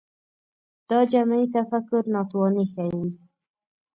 دا جمعي تفکر ناتواني ښيي